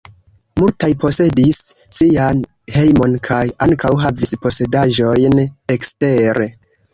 Multaj posedis sian hejmon kaj ankaŭ havis posedaĵojn ekstere.